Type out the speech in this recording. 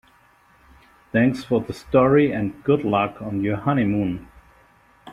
Thanks for the story and good luck on your honeymoon.